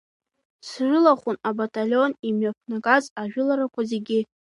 Срылахәын абаталион имҩаԥнагоз ажәыларақәа зегьы.